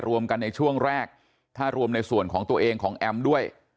รวมกันในช่วงแรกถ้ารวมในส่วนของตัวเองของแอมด้วย